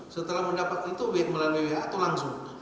setelah mendapat itu baik melalui wa atau langsung